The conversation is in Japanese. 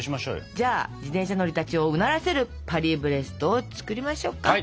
じゃあ自転車乗りたちをうならせるパリブレストを作りましょうか。